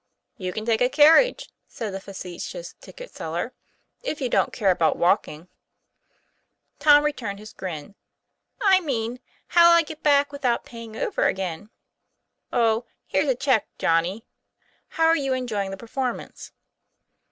" "You can take a carriage," said the facetious ticket seller, "if you don't care about walking." Tom returned his grin. "Imeanhow'll I get back without paying over again ?' "Oh, here's a check, Johnnie. How are you en joying the performance